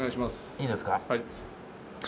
いいですか？